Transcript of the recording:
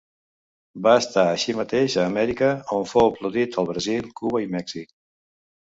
Va estar així mateix a Amèrica, on fou aplaudit al Brasil, Cuba i Mèxic.